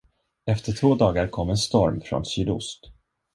Efter två dagar kom en storm från sydost.